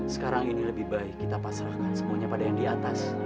sekarang ini lebih baik kita pasrahkan semuanya pada yang di atas